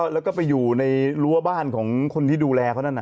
แล้วก็ไปอยู่ในรั้วบ้านของคนที่ดูแลเขานั่นน่ะ